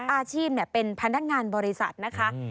อาชีพเป็นพนักงานบริษัทนะคะ